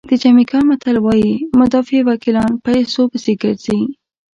د جمیکا متل وایي مدافع وکیلان پیسو پسې ګرځي.